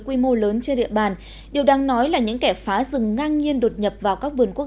quy mô lớn trên địa bàn điều đáng nói là những kẻ phá rừng ngang nhiên đột nhập vào các vườn quốc